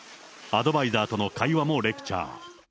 アドバイザーとの会話もレクチャー。